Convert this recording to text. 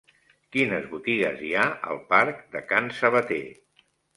Quines botigues hi ha al parc de Can Sabater?